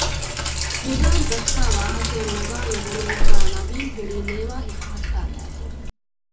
ނިޒާރު އެދައްކާ ވާހަކައެއް ނަގާ ނުގަނެވިފައި ނަވީން ހުރީ ނޭވާ ހިފަހައްޓާލައިގެން